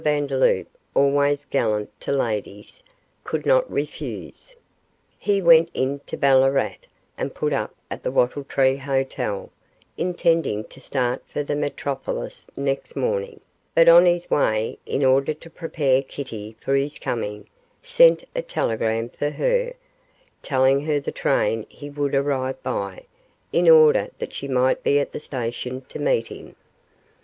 Vandeloup, always gallant to ladies, could not refuse. He went in to Ballarat, and put up at the Wattle Tree Hotel, intending to start for the metropolis next morning; but on his way, in order to prepare Kitty for his coming, sent a telegram for her, telling her the train he would arrive by, in order that she might be at the station to meet him.